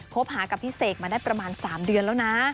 หากับพี่เสกมาได้ประมาณ๓เดือนแล้วนะ